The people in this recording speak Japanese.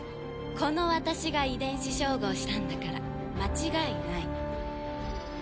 この私が遺伝子照合したんだから間違いない。